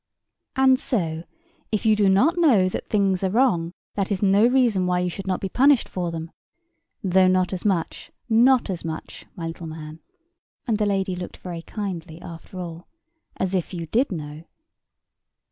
"And so, if you do not know that things are wrong that is no reason why you should not be punished for them; though not as much, not as much, my little man" (and the lady looked very kindly, after all), "as if you did know."